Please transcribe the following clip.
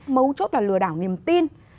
mấu chốt là lừa đảo niềm tin